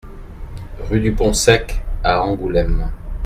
Rue du Pont Sec à Angoulême